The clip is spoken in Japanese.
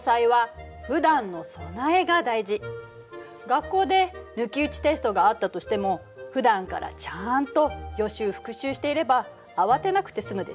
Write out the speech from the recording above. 学校で抜き打ちテストがあったとしてもふだんからちゃんと予習復習していれば慌てなくて済むでしょ？